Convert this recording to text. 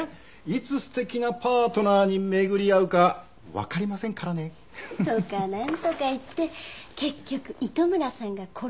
いつ素敵なパートナーに巡り合うかわかりませんからね。とかなんとか言って結局糸村さんが転がり込んだりして。